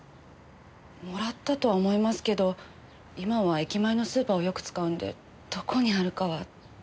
もらったとは思いますけど今は駅前のスーパーをよく使うのでどこにあるかは。